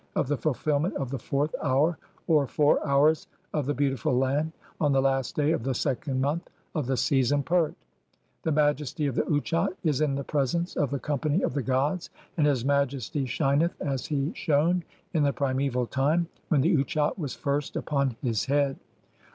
of the fulfilment of the fourth "hour (or four hours) of the beautiful land (?), on the last day "of the second month of the season pert. The Majesty of the " Utchat is in the presence of the company of the gods, and "His Majesty shineth as he shone in the primeval time, when "the Utchat was [first] (6) upon his head.